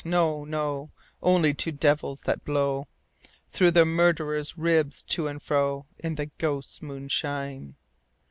No, no ; Only two devils, that blow Through the murderer's ribs to and fro. In the ghosts' moonshine.